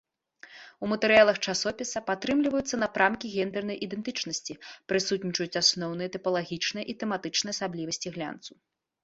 У матэрыялах часопіса падтрымліваюцца напрамкі гендэрнай ідэнтычнасці, прысутнічаюць асноўныя тыпалагічныя і тэматычныя асаблівасці глянцу.